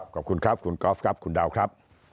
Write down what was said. ขอบคุณครับคุณกอล์ฟครับคุณดาวครับ